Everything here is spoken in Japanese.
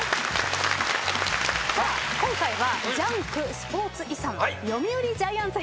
今回は『ジャンク』スポーツ遺産読売ジャイアンツ編です。